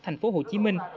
thành phố hồ chí minh